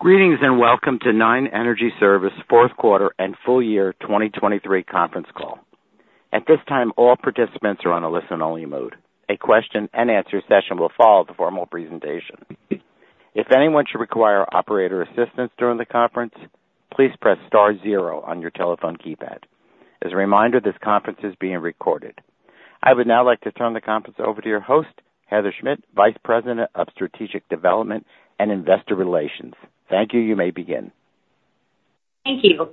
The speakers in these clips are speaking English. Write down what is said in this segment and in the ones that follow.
Greetings and welcome to Nine Energy Service fourth quarter and full year 2023 conference call. At this time, all participants are on a listen-only mode. A question-and-answer session will follow the formal presentation. If anyone should require operator assistance during the conference, please press star zero on your telephone keypad. As a reminder, this conference is being recorded. I would now like to turn the conference over to your host, Heather Schmidt, Vice President of Strategic Development and Investor Relations. Thank you. You may begin. Thank you.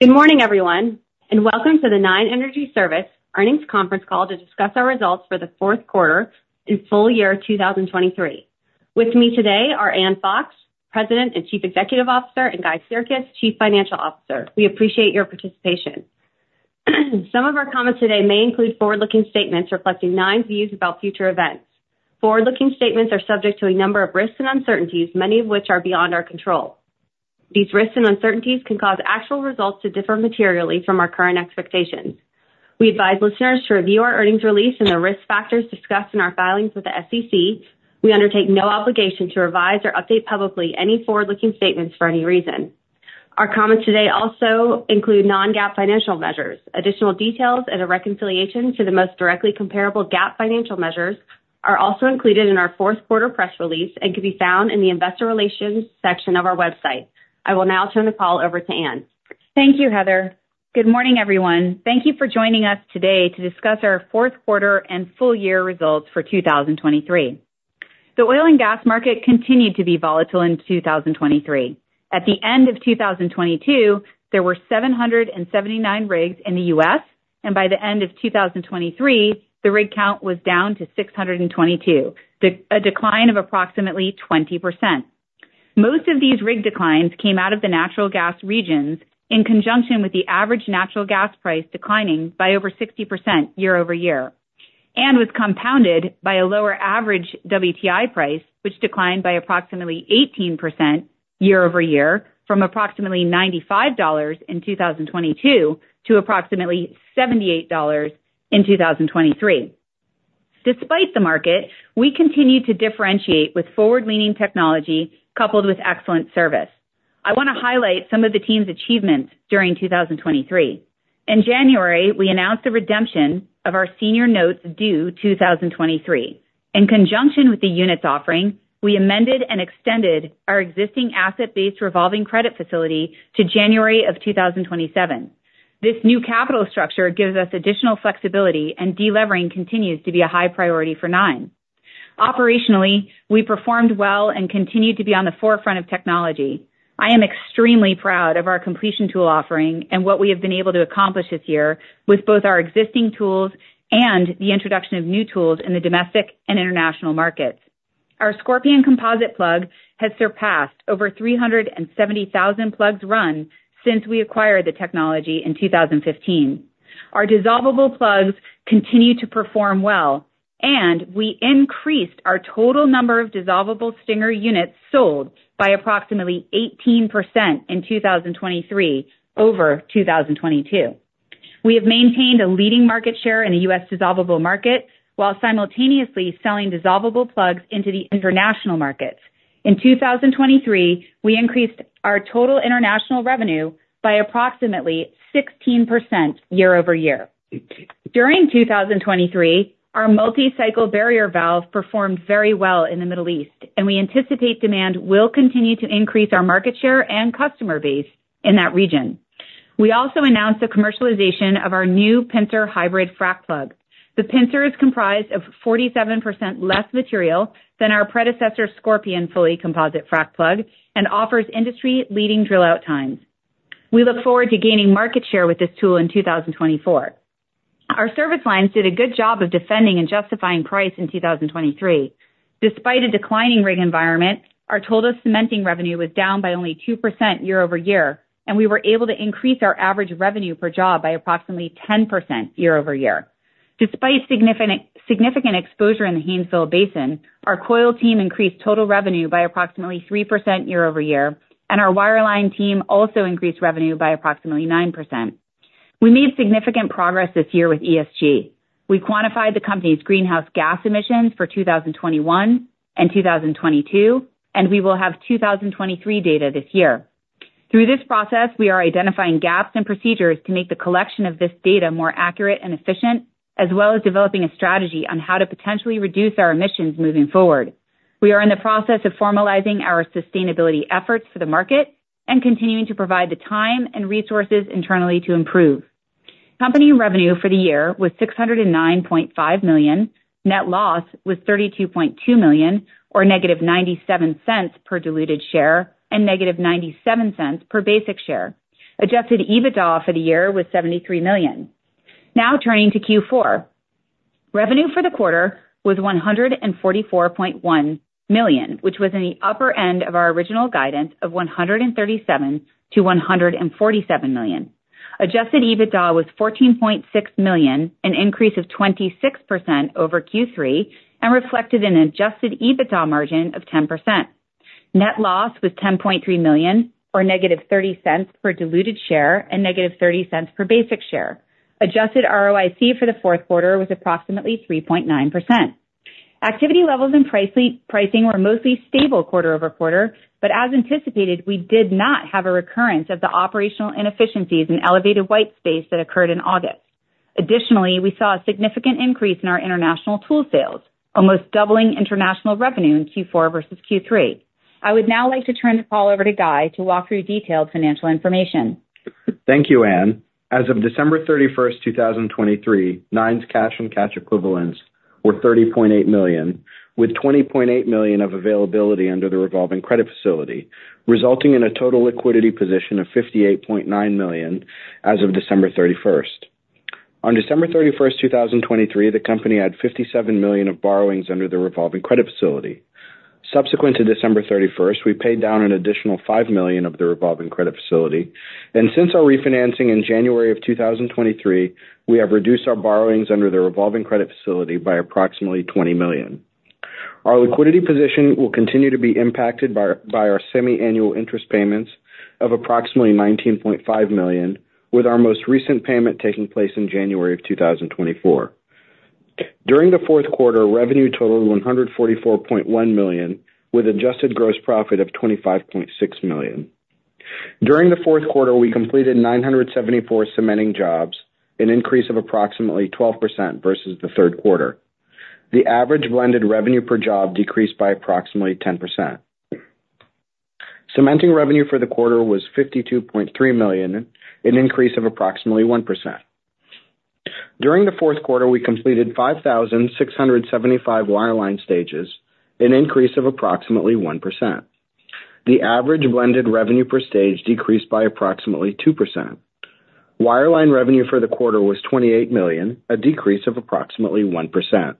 Good morning, everyone, and welcome to the Nine Energy Service earnings conference call to discuss our results for the fourth quarter and full year 2023. With me today are Ann Fox, President and Chief Executive Officer, and Guy Sirkes, Chief Financial Officer. We appreciate your participation. Some of our comments today may include forward-looking statements reflecting Nine's views about future events. Forward-looking statements are subject to a number of risks and uncertainties, many of which are beyond our control. These risks and uncertainties can cause actual results to differ materially from our current expectations. We advise listeners to review our earnings release and the risk factors discussed in our filings with the SEC. We undertake no obligation to revise or update publicly any forward-looking statements for any reason. Our comments today also include non-GAAP financial measures. Additional details and a reconciliation to the most directly comparable GAAP financial measures are also included in our fourth quarter press release and can be found in the Investor Relations section of our website. I will now turn the call over to Ann. Thank you, Heather. Good morning, everyone. Thank you for joining us today to discuss our fourth quarter and full year results for 2023. The oil and gas market continued to be volatile in 2023. At the end of 2022, there were 779 rigs in the U.S., and by the end of 2023, the rig count was down to 622, a decline of approximately 20%. Most of these rig declines came out of the natural gas regions in conjunction with the average natural gas price declining by over 60% year-over-year and was compounded by a lower average WTI price, which declined by approximately 18% year-over-year from approximately $95 in 2022 to approximately $78 in 2023. Despite the market, we continue to differentiate with forward-leaning technology coupled with excellent service. I want to highlight some of the team's achievements during 2023. In January, we announced the redemption of our senior notes due 2023. In conjunction with the Units offering, we amended and extended our existing asset-based revolving credit facility to January of 2027. This new capital structure gives us additional flexibility, and delevering continues to be a high priority for Nine. Operationally, we performed well and continue to be on the forefront of technology. I am extremely proud of our completion tool offering and what we have been able to accomplish this year with both our existing tools and the introduction of new tools in the domestic and international markets. Our Scorpion Composite Plug has surpassed over 370,000 plugs run since we acquired the technology in 2015. Our dissolvable plugs continue to perform well, and we increased our total number of dissolvable Stinger units sold by approximately 18% in 2023 over 2022. We have maintained a leading market share in the U.S. dissolvable market while simultaneously selling dissolvable plugs into the international markets. In 2023, we increased our total international revenue by approximately 16% year-over-year. During 2023, our multi-cycle barrier valve performed very well in the Middle East, and we anticipate demand will continue to increase our market share and customer base in that region. We also announced the commercialization of our new Pincer Hybrid Frac Plug. The Pincer is comprised of 47% less material than our predecessor Scorpion Fully Composite frac plug and offers industry-leading drill-out times. We look forward to gaining market share with this tool in 2024. Our service lines did a good job of defending and justifying price in 2023. Despite a declining rig environment, our total cementing revenue was down by only 2% year-over-year, and we were able to increase our average revenue per job by approximately 10% year-over-year. Despite significant exposure in the Haynesville Basin, our coiled tubing team increased total revenue by approximately 3% year-over-year, and our wireline team also increased revenue by approximately 9%. We made significant progress this year with ESG. We quantified the company's greenhouse gas emissions for 2021 and 2022, and we will have 2023 data this year. Through this process, we are identifying gaps and procedures to make the collection of this data more accurate and efficient, as well as developing a strategy on how to potentially reduce our emissions moving forward. We are in the process of formalizing our sustainability efforts for the market and continuing to provide the time and resources internally to improve. Company revenue for the year was $609.5 million. Net loss was $32.2 million, or negative $0.97 per diluted share and negative $0.97 per basic share. Adjusted EBITDA for the year was $73 million. Now turning to Q4. Revenue for the quarter was $144.1 million, which was in the upper end of our original guidance of $137 million-$147 million. Adjusted EBITDA was $14.6 million, an increase of 26% over Q3, and reflected an adjusted EBITDA margin of 10%. Net loss was $10.3 million, or negative $0.30 per diluted share and negative $0.30 per basic share. Adjusted ROIC for the fourth quarter was approximately 3.9%. Activity levels and pricing were mostly stable quarter-over-quarter, but as anticipated, we did not have a recurrence of the operational inefficiencies and elevated white space that occurred in August. Additionally, we saw a significant increase in our international tool sales, almost doubling international revenue in Q4 versus Q3. I would now like to turn the call over to Guy to walk through detailed financial information. Thank you, Ann. As of December 31st, 2023, Nine's cash and cash equivalents were $30.8 million, with $20.8 million of availability under the revolving credit facility, resulting in a total liquidity position of $58.9 million as of December 31st. On December 31st, 2023, the company had $57 million of borrowings under the revolving credit facility. Subsequent to December 31st, we paid down an additional $5 million of the revolving credit facility, and since our refinancing in January of 2023, we have reduced our borrowings under the revolving credit facility by approximately $20 million. Our liquidity position will continue to be impacted by our semi-annual interest payments of approximately $19.5 million, with our most recent payment taking place in January of 2024. During the fourth quarter, revenue totaled $144.1 million, with adjusted gross profit of $25.6 million. During the fourth quarter, we completed 974 cementing jobs, an increase of approximately 12% versus the third quarter. The average blended revenue per job decreased by approximately 10%. Cementing revenue for the quarter was $52.3 million, an increase of approximately 1%. During the fourth quarter, we completed 5,675 wireline stages, an increase of approximately 1%. The average blended revenue per stage decreased by approximately 2%. Wireline revenue for the quarter was $28 million, a decrease of approximately 1%.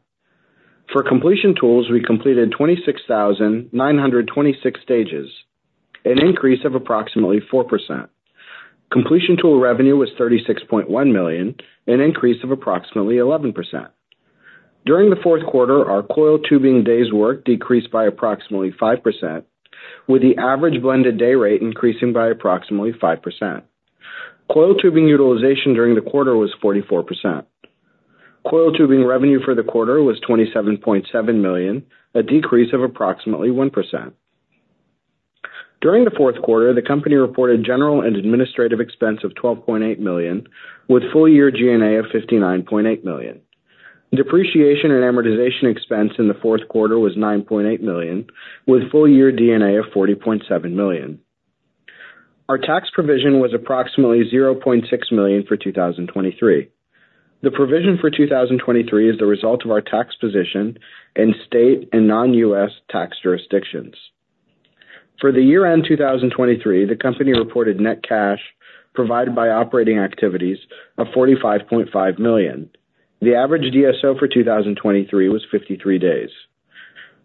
For completion tools, we completed 26,926 stages, an increase of approximately 4%. Completion tool revenue was $36.1 million, an increase of approximately 11%. During the fourth quarter, our coiled tubing days worked decreased by approximately 5%, with the average blended day rate increasing by approximately 5%. Coiled tubing utilization during the quarter was 44%. Coiled tubing revenue for the quarter was $27.7 million, a decrease of approximately 1%. During the fourth quarter, the company reported general and administrative expense of $12.8 million, with full year G&A of $59.8 million. Depreciation and amortization expense in the fourth quarter was $9.8 million, with full year D&A of $40.7 million. Our tax provision was approximately $0.6 million for 2023. The provision for 2023 is the result of our tax position in state and non-U.S. tax jurisdictions. For the year-end 2023, the company reported net cash provided by operating activities of $45.5 million. The average DSO for 2023 was 53 days.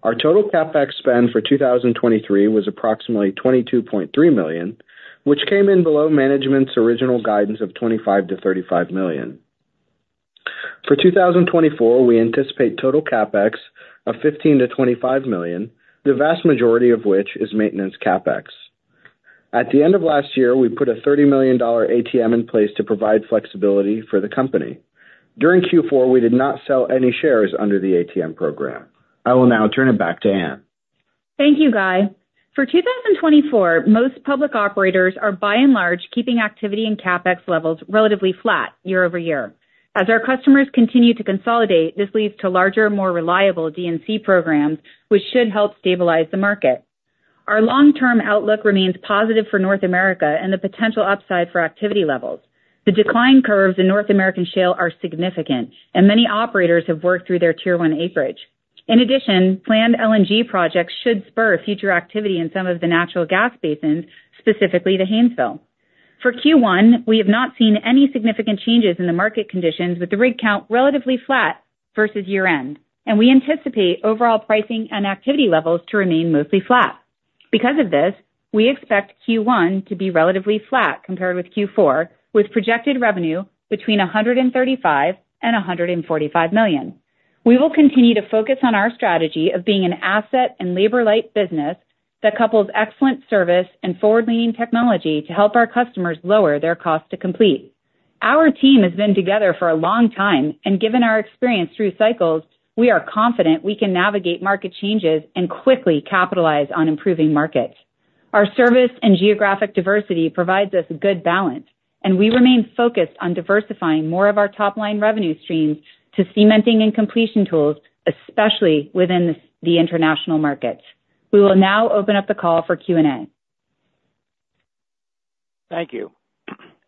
Our total CapEx spend for 2023 was approximately $22.3 million, which came in below management's original guidance of $25-$35 million. For 2024, we anticipate total CapEx of $15-$25 million, the vast majority of which is maintenance CapEx. At the end of last year, we put a $30 million ATM in place to provide flexibility for the company. During Q4, we did not sell any shares under the ATM program. I will now turn it back to Ann. Thank you, Guy. For 2024, most public operators are, by and large, keeping activity and CapEx levels relatively flat year-over-year. As our customers continue to consolidate, this leads to larger, more reliable D&C programs, which should help stabilize the market. Our long-term outlook remains positive for North America and the potential upside for activity levels. The decline curves in North American Shale are significant, and many operators have worked through their tier one acreage. In addition, planned LNG projects should spur future activity in some of the natural gas basins, specifically the Haynesville. For Q1, we have not seen any significant changes in the market conditions, with the rig count relatively flat versus year-end, and we anticipate overall pricing and activity levels to remain mostly flat. Because of this, we expect Q1 to be relatively flat compared with Q4, with projected revenue between $135 million-$145 million. We will continue to focus on our strategy of being an asset and labor-light business that couples excellent service and forward-leaning technology to help our customers lower their cost to complete. Our team has been together for a long time, and given our experience through cycles, we are confident we can navigate market changes and quickly capitalize on improving markets. Our service and geographic diversity provides us a good balance, and we remain focused on diversifying more of our top-line revenue streams to cementing and completion tools, especially within the international markets. We will now open up the call for Q&A. Thank you.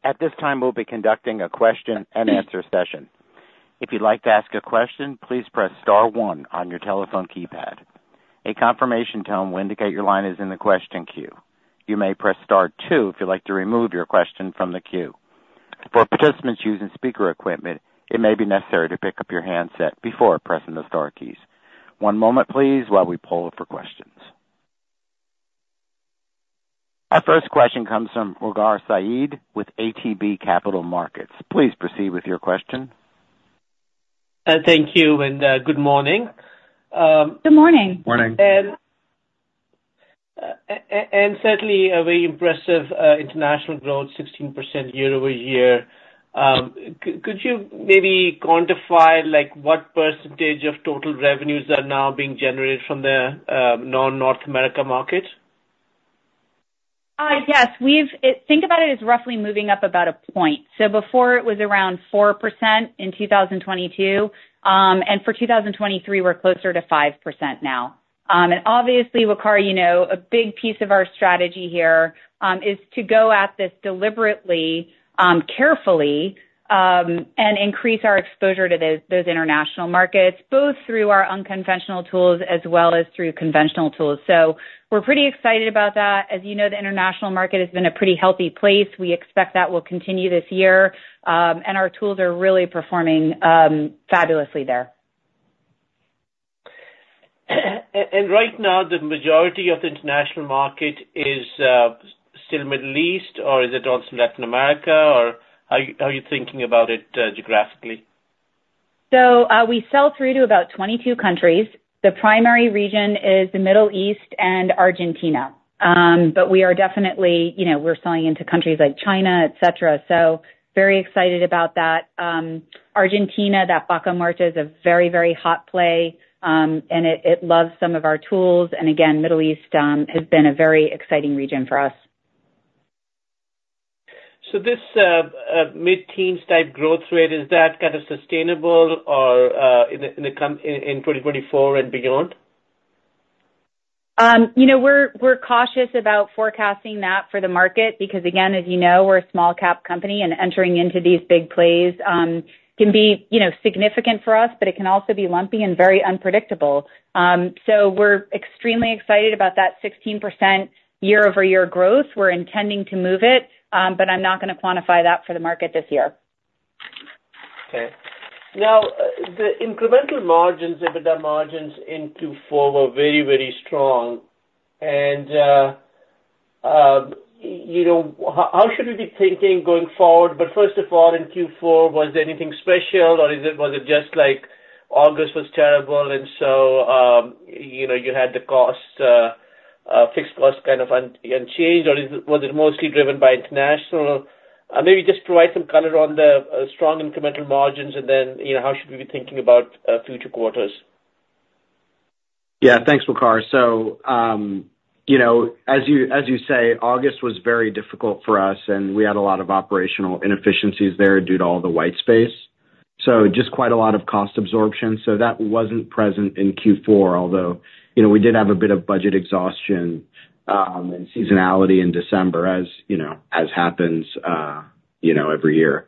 At this time, we'll be conducting a question-and-answer session. If you'd like to ask a question, please press star one on your telephone keypad. A confirmation tone will indicate your line is in the question queue. You may press star two if you'd like to remove your question from the queue. For participants using speaker equipment, it may be necessary to pick up your handset before pressing the star keys. One moment, please, while we poll for questions. Our first question comes from Waqar Syed with ATB Capital Markets. Please proceed with your question. Thank you, and good morning. Good morning. Morning. And certainly, a very impressive international growth, 16% year-over-year. Could you maybe quantify what percentage of total revenues are now being generated from the non-North America market? Yes. Think about it as roughly moving up about a point. So before, it was around 4% in 2022, and for 2023, we're closer to 5% now. And obviously, Waqar, a big piece of our strategy here is to go at this deliberately, carefully, and increase our exposure to those international markets, both through our unconventional tools as well as through conventional tools. So we're pretty excited about that. As you know, the international market has been a pretty healthy place. We expect that will continue this year, and our tools are really performing fabulously there. Right now, the majority of the international market is still Middle East, or is it also Latin America? Or how are you thinking about it geographically? So we sell through to about 22 countries. The primary region is the Middle East and Argentina, but we are definitely selling into countries like China, etc. So very excited about that. Argentina, that Vaca Muerta, is a very, very hot play, and it loves some of our tools. And again, Middle East has been a very exciting region for us. This mid-teens type growth rate, is that kind of sustainable in 2024 and beyond? We're cautious about forecasting that for the market because, again, as you know, we're a small-cap company, and entering into these big plays can be significant for us, but it can also be lumpy and very unpredictable. So we're extremely excited about that 16% year-over-year growth. We're intending to move it, but I'm not going to quantify that for the market this year. Okay. Now, the incremental margins, EBITDA margins in Q4 were very, very strong. And how should we be thinking going forward? But first of all, in Q4, was there anything special, or was it just like August was terrible, and so you had the fixed cost kind of unchanged, or was it mostly driven by international? Maybe just provide some color on the strong incremental margins, and then how should we be thinking about future quarters? Yeah. Thanks, Waqar. So as you say, August was very difficult for us, and we had a lot of operational inefficiencies there due to all the white space. So just quite a lot of cost absorption. So that wasn't present in Q4, although we did have a bit of budget exhaustion and seasonality in December, as happens every year.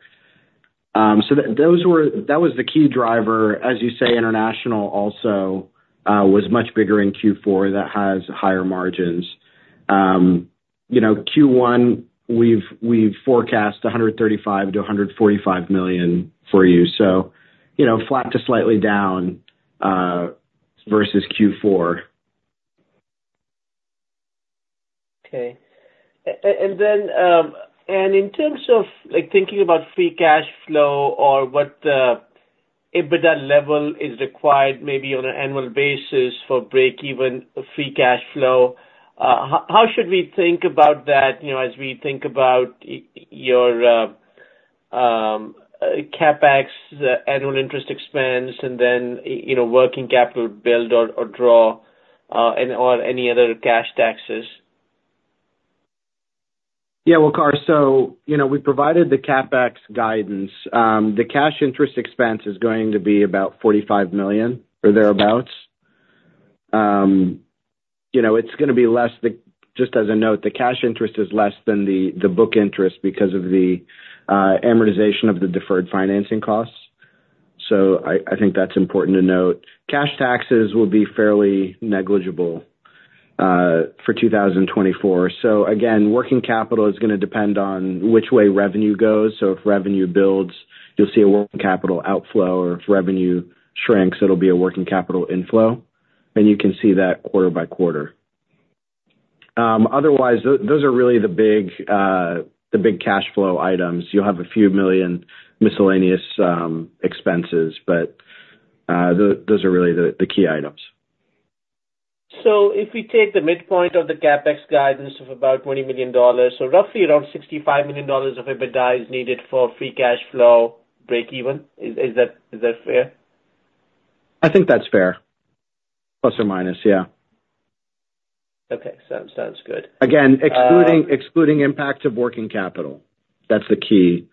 So that was the key driver. As you say, international also was much bigger in Q4. That has higher margins. Q1, we've forecast $135 million-$145 million for you, so flat to slightly down versus Q4. Okay. And in terms of thinking about free cash flow or what the EBITDA level is required maybe on an annual basis for break-even free cash flow, how should we think about that as we think about your CapEx, annual interest expense, and then working capital build or draw, or any other cash taxes? Yeah, Waqar. So we provided the CapEx guidance. The cash interest expense is going to be about $45 million or thereabouts. It's going to be less just as a note, the cash interest is less than the book interest because of the amortization of the deferred financing costs. So I think that's important to note. Cash taxes will be fairly negligible for 2024. So again, working capital is going to depend on which way revenue goes. So if revenue builds, you'll see a working capital outflow, or if revenue shrinks, it'll be a working capital inflow. And you can see that quarter by quarter. Otherwise, those are really the big cash flow items. You'll have a few million miscellaneous expenses, but those are really the key items. So if we take the midpoint of the CapEx guidance of about $20 million, so roughly around $65 million of EBITDA is needed for free cash flow break-even, is that fair? I think that's fair, ±. Yeah. Okay. Sounds good. Again, excluding impacts of working capital. That's the key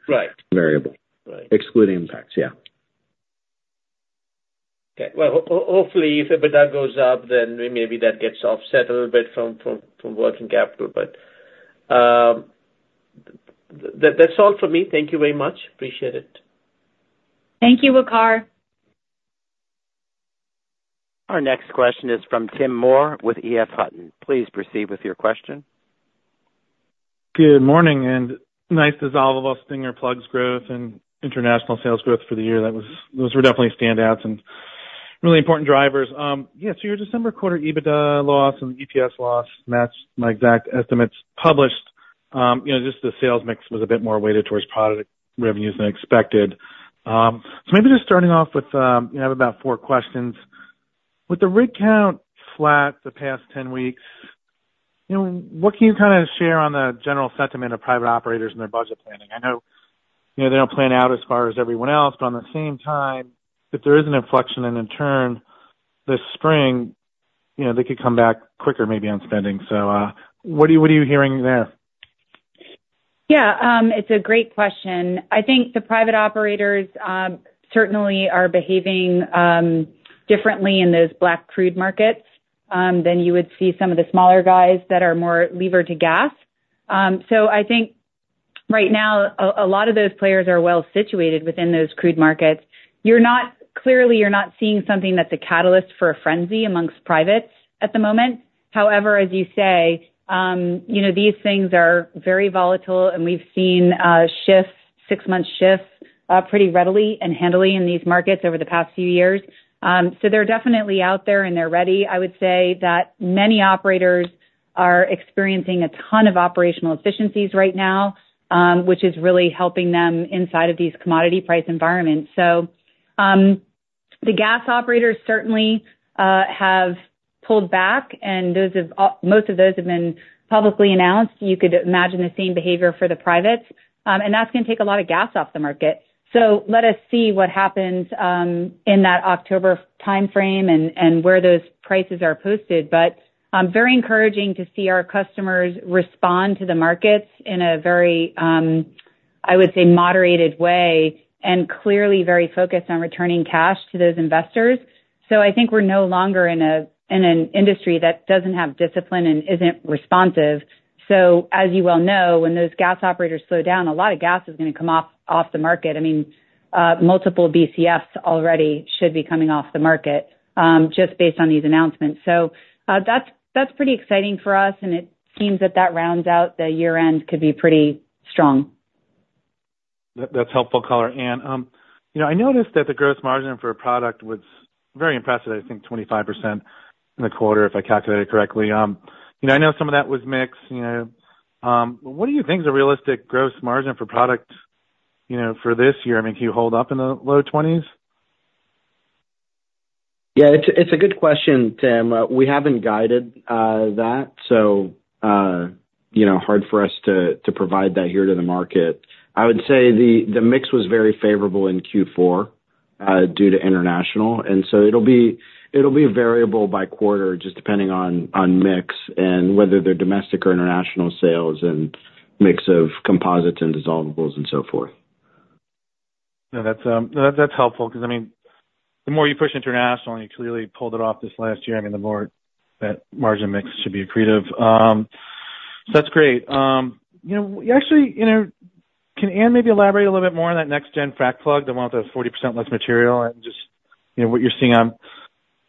variable. Excluding impacts. Yeah. Okay. Well, hopefully, if EBITDA goes up, then maybe that gets offset a little bit from working capital. But that's all for me. Thank you very much. Appreciate it. Thank you, Waqar. Our next question is from Tim Moore with EF Hutton. Please proceed with your question. Good morning and nice to see all of us. Stinger plugs growth and international sales growth for the year. Those were definitely standouts and really important drivers. Yeah. So your December quarter EBITDA loss and EPS loss match my exact estimates published. Just the sales mix was a bit more weighted towards product revenues than expected. So maybe just starting off with I have about four questions. With the rig count flat the past 10 weeks, what can you kind of share on the general sentiment of private operators and their budget planning? I know they don't plan out as far as everyone else, but at the same time, if there is an inflection and in turn this spring, they could come back quicker maybe on spending. So what are you hearing there? Yeah. It's a great question. I think the private operators certainly are behaving differently in those Bakken crude markets than you would see some of the smaller guys that are more levered to gas. So I think right now, a lot of those players are well situated within those crude markets. Clearly, you're not seeing something that's a catalyst for a frenzy amongst privates at the moment. However, as you say, these things are very volatile, and we've seen six-month shifts pretty readily and handily in these markets over the past few years. So they're definitely out there, and they're ready. I would say that many operators are experiencing a ton of operational efficiencies right now, which is really helping them inside of these commodity price environments. So the gas operators certainly have pulled back, and most of those have been publicly announced. You could imagine the same behavior for the privates. And that's going to take a lot of gas off the market. So let us see what happens in that October timeframe and where those prices are posted. But very encouraging to see our customers respond to the markets in a very, I would say, moderated way and clearly very focused on returning cash to those investors. So I think we're no longer in an industry that doesn't have discipline and isn't responsive. So as you well know, when those gas operators slow down, a lot of gas is going to come off the market. I mean, multiple BCFs already should be coming off the market just based on these announcements. So that's pretty exciting for us, and it seems that that rounds out the year-end could be pretty strong. That's helpful color, Ann. I noticed that the gross margin for a product was very impressive, I think, 25% in the quarter if I calculated correctly. I know some of that was mixed. What do you think is a realistic gross margin for product for this year? I mean, can you hold up in the low 20s? Yeah. It's a good question, Tim. We haven't guided that, so hard for us to provide that here to the market. I would say the mix was very favorable in Q4 due to international. And so it'll be variable by quarter just depending on mix and whether they're domestic or international sales and mix of composites and dissolvables and so forth. No, that's helpful because, I mean, the more you push international and you clearly pulled it off this last year, I mean, the more that margin mix should be accretive. So that's great. Actually, can Ann maybe elaborate a little bit more on that next-gen frac plug? They want the 40% less material and just what you're seeing on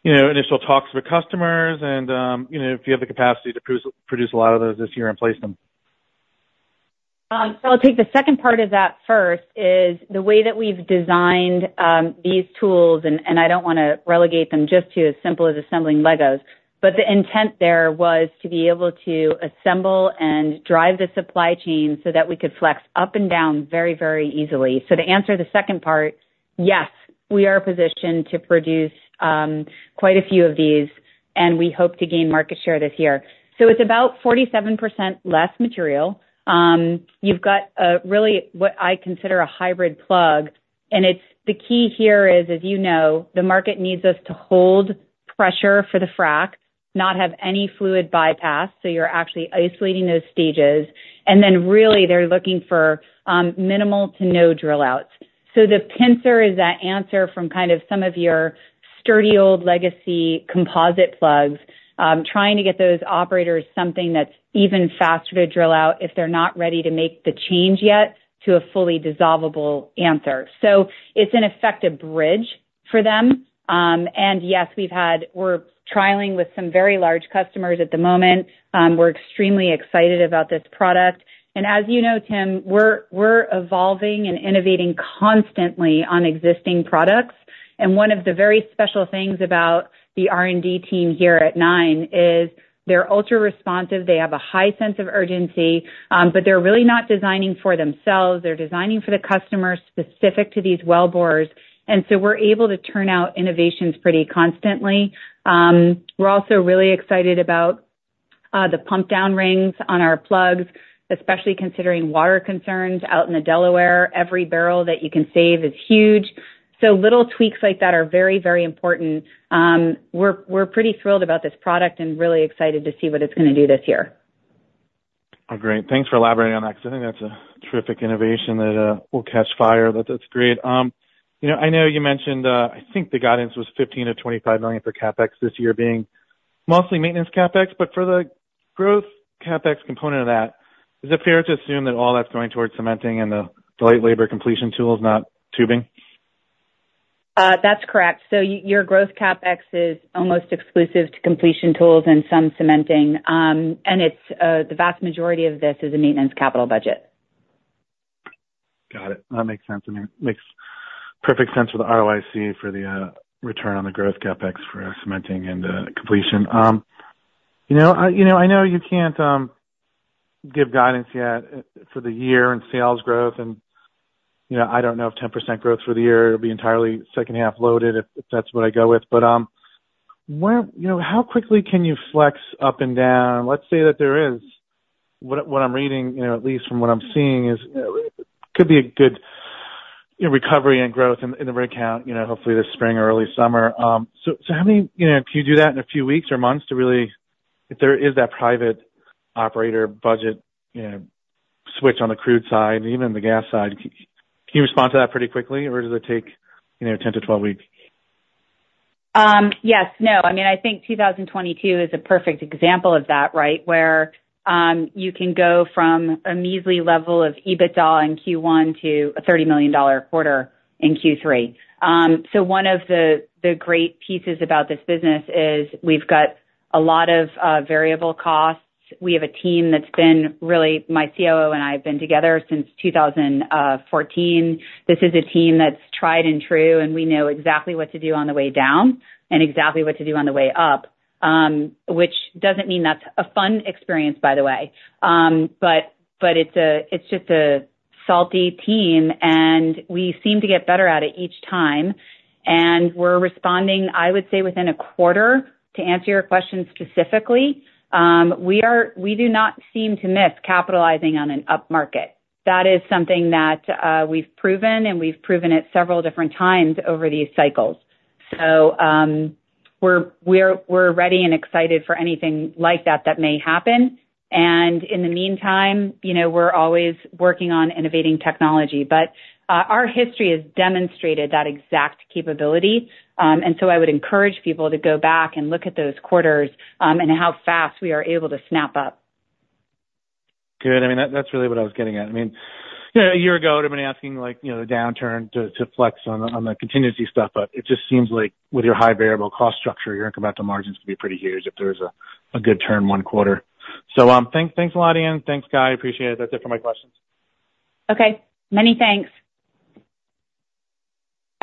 initial talks with customers and if you have the capacity to produce a lot of those this year and place them. So I'll take the second part of that. First is the way that we've designed these tools, and I don't want to relegate them just to as simple as assembling Legos. But the intent there was to be able to assemble and drive the supply chain so that we could flex up and down very, very easily. So to answer the second part, yes, we are positioned to produce quite a few of these, and we hope to gain market share this year. So it's about 47% less material. You've got really what I consider a hybrid plug. And the key here is, as you know, the market needs us to hold pressure for the frac, not have any fluid bypass. So you're actually isolating those stages. And then really, they're looking for minimal to no drill-outs. So the Pincer is that answer from kind of some of your sturdy old legacy composite plugs, trying to get those operators something that's even faster to drill out if they're not ready to make the change yet to a fully dissolvable answer. So it's in effect a bridge for them. And yes, we're trialing with some very large customers at the moment. We're extremely excited about this product. And as you know, Tim, we're evolving and innovating constantly on existing products. And one of the very special things about the R&D team here at Nine is they're ultra responsive. They have a high sense of urgency, but they're really not designing for themselves. They're designing for the customer specific to these well bores. And so we're able to turn out innovations pretty constantly. We're also really excited about the pump-down rings on our plugs, especially considering water concerns out in the Delaware. Every barrel that you can save is huge. So little tweaks like that are very, very important. We're pretty thrilled about this product and really excited to see what it's going to do this year. Oh, great. Thanks for elaborating on that because I think that's a terrific innovation that will catch fire. That's great. I know you mentioned, I think the guidance was $15 million-$25 million for CapEx this year being mostly maintenance CapEx. But for the growth CapEx component of that, is it fair to assume that all that's going towards cementing and the light labor completion tools, not tubing? That's correct. Your growth CapEx is almost exclusive to completion tools and some cementing. The vast majority of this is a maintenance capital budget. Got it. That makes sense. I mean, it makes perfect sense with the ROIC for the return on the growth CapEx for cementing and completion. I know you can't give guidance yet for the year and sales growth. And I don't know if 10% growth for the year will be entirely second-half loaded if that's what I go with. But how quickly can you flex up and down? Let's say that there is. What I'm reading, at least from what I'm seeing, is it could be a good recovery and growth in the rig count, hopefully this spring or early summer. So can you do that in a few weeks or months to really, if there is that private operator budget switch on the crude side, even the gas side, can you respond to that pretty quickly, or does it take 10-12 weeks? Yes. No. I mean, I think 2022 is a perfect example of that, right, where you can go from a measly level of EBITDA in Q1 to a $30 million quarter in Q3. So one of the great pieces about this business is we've got a lot of variable costs. We have a team that's been really my COO and I have been together since 2014. This is a team that's tried and true, and we know exactly what to do on the way down and exactly what to do on the way up, which doesn't mean that's a fun experience, by the way. But it's just a salty team, and we seem to get better at it each time. And we're responding, I would say, within a quarter to answer your question specifically. We do not seem to miss capitalizing on an upmarket. That is something that we've proven, and we've proven it several different times over these cycles. So we're ready and excited for anything like that that may happen. And in the meantime, we're always working on innovating technology. But our history has demonstrated that exact capability. And so I would encourage people to go back and look at those quarters and how fast we are able to snap up. Good. I mean, that's really what I was getting at. I mean, a year ago, everybody asking the downturn to flex on the continuity stuff. But it just seems like with your high variable cost structure, your incremental margins could be pretty huge if there was a good turn one quarter. So thanks a lot, Ann. Thanks, Guy. Appreciate it. That's it for my questions. Okay. Many thanks.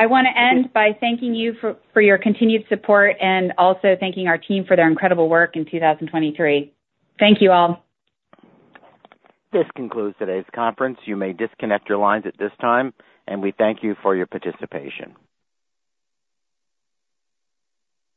I want to end by thanking you for your continued support and also thanking our team for their incredible work in 2023. Thank you all. This concludes today's conference. You may disconnect your lines at this time, and we thank you for your participation.